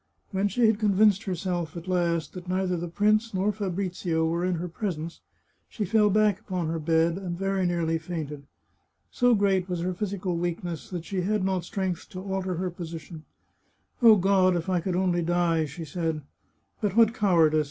When she had convinced herself, at last, that neither the prince nor Fabrizio were in her presence, she fell back upon her bed, and very nearly fainted. So great was her physical weakness that she had not strength to alter her position, " O God, if only I could die !" she said. " But what cowardice !